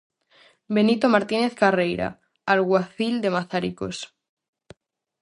Benito Martínez Carreira, alguacil de Mazaricos.